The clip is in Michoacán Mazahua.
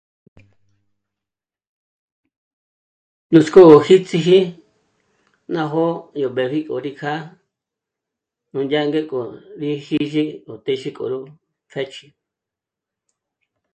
Nútsko jítsiji nájo yo b'ä bi go rì ja nùya ngeko nèjeye go téxe ko ró jáchi